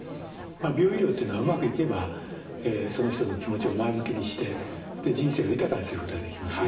美容医療っていうのはうまくいけばその人の気持ちを前向きにして人生を豊かにすることができます。